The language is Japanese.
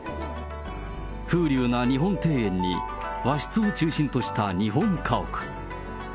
風流な日本庭園に、和室を中心とした日本家屋。